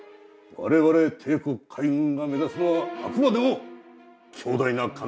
我々帝国海軍が目指すのはあくまでも強大な艦隊だ。